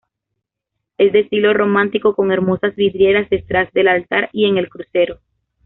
Es de estilo románico con hermosas vidrieras detrás del altar y en el crucero.